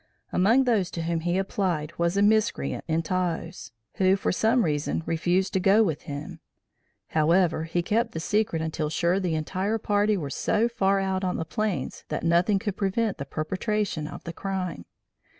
Among those to whom he applied was a miscreant in Taos, who, for some reason, refused to go with him. However, he kept the secret until sure the entire party were so far out on the plains that nothing could prevent the perpetration of the crime.